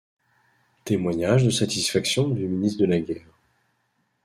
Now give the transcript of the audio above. Témoignage de Satisfaction du Ministre de la Guerre.